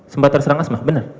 sempat terserang asma benar